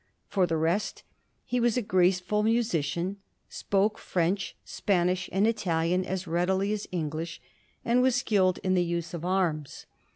For the rest, he was a graceful musician, spoke French, Spanish, and Italian as readily as English, and was skilled in the use of anna.